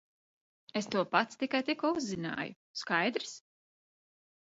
Es to pats tikai tikko uzzināju, skaidrs?